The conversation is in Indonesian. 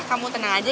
kamu tenang aja